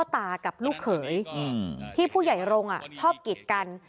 ตากับลูกเขยที่ผู้ใหญ่รงค์ชอบกิจกัน